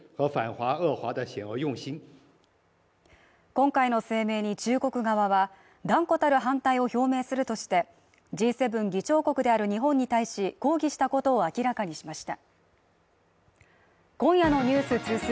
今回の声明に中国側は断固たる反対を表明するとして、Ｇ７議長国である日本に対し抗議したことを明らかにしました。